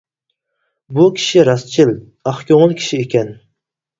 بۇ كىشى راستچىل، ئاق كۆڭۈل كىشى ئىكەن.